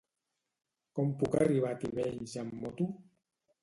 Com puc arribar a Tivenys amb moto?